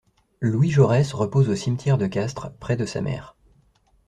Louis Jaurès repose au cimetière de Castres, près de sa mère.